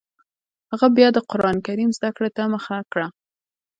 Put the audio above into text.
هغه بیا د قران کریم زده کړې ته مخه کړه